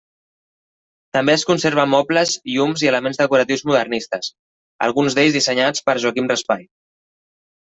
També es conserven mobles, llums i elements decoratius modernistes, alguns d'ells dissenyats per Joaquim Raspall.